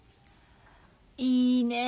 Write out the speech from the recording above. いいねえ